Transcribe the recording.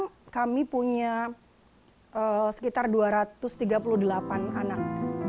kami punya sekitar dua ratus tiga puluh delapan anak